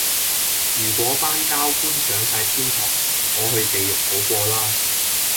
如果班膠官上哂天堂,我去地獄好過啦